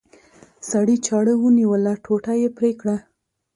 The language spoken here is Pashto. سړي چاړه ونیوله ټوټه یې پرې کړه.